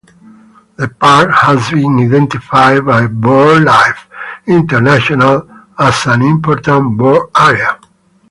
The park has been identified by BirdLife International as an Important Bird Area.